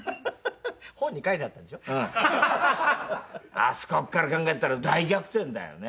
あそこから考えたら大逆転だよね。